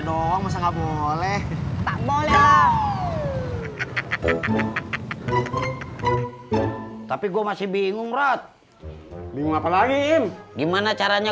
doang masa nggak boleh tak boleh tapi gua masih bingung rod lima lagi gimana caranya